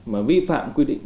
mà vi phạm quy định